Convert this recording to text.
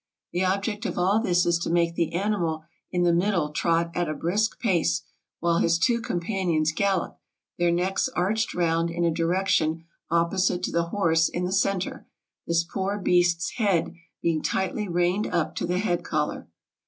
The ob ject of all this is to make the animal in the middle trot at a brisk pace, while his two companions gallop, their necks arched round in a direction opposite to the horse in the cen ter, this poor beast's head being tightly reined up to the head collar.